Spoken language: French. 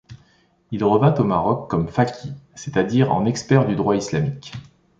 Il revint au Maroc comme faqih, c'est-à-dire en expert du droit islamique.